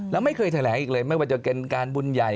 แล้วไม่เคยแถลงอีกเลยไม่ว่าจะเป็นการบุญใหญ่